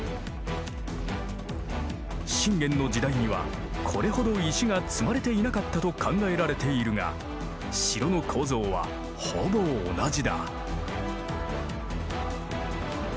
信玄の時代にはこれほど石が積まれていなかったと考えられているが城の構造はほぼ同じだ。